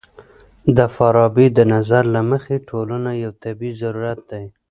د فارابي د نظر له مخې ټولنه يو طبيعي ضرورت دی.